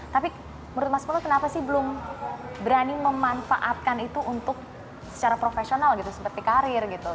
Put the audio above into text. tapi menurut mas polo kenapa sih belum berani memanfaatkan itu untuk secara profesional gitu seperti karir gitu